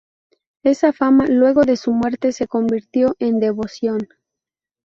Esa fama, luego de su muerte, se convirtió en devoción.